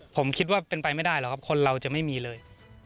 ผมคิดว่าเป็นไปไม่ได้หรอกครับคนเราจะไม่มีเลย